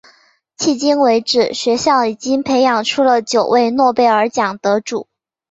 迄今为止学校已经培养出了九位诺贝尔奖得主。